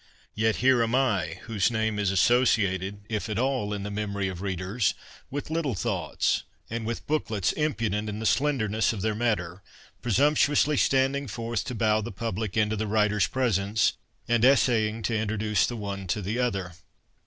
Yet here am I, whose name is associated — if at all — in the memory of readers with ' little thoughts/ and with booklets impudent in the slenderness of their matter, presumptuously stand ing forth to bow the public into the writer's presence, and essaying to introduce the one to the other.